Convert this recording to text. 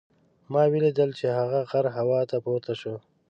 ما ولیدل چې هغه غر هوا ته پورته شو.